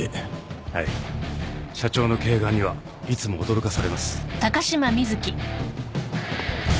社長の慧眼にはいつも驚かされます。